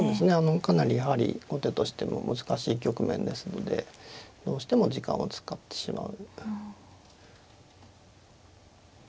かなりやはり後手としても難しい局面ですのでどうしても時間を使ってしまう。